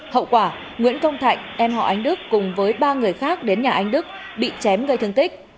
hậu quả nguyễn công thạnh em họ anh đức cùng với ba người khác đến nhà anh đức bị chém gây thương tích